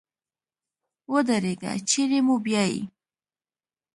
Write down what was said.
ودرېږه چېري مو بیایې ؟